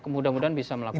mudah mudahan bisa melakukan